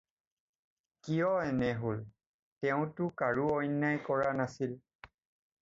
কিয় এনে হ'ল! তেওঁ তো কাৰো অন্যায় কৰা নাছিল।